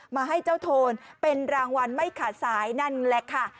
มาให้เจ้าโทนเป็นรางวัลไม่ขาดสายนั่นแหละค่ะ